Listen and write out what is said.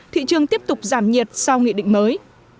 thị trường tiếp tục giảm nhiệt sau nghị định mới